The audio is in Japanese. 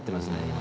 今。